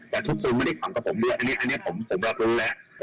แต่ทุกคนไม่ได้ขำกับผมเลยอันนี้เป็นทุกคนไม่ได้ขำกับผมเลย